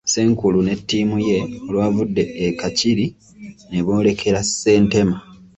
Ssenkulu ne ttiimu ye olwavudde e Kakiri ne boolekera Ssentema.